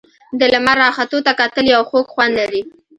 د لمر راختو ته کتل یو خوږ خوند لري.